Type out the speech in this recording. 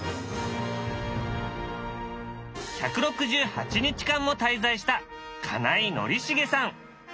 １６８日間も滞在した金井宣茂さん。